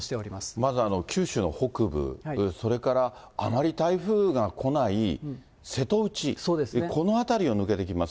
まず九州の北部、それからあまり台風が来ない瀬戸内、この辺りを抜けていきます。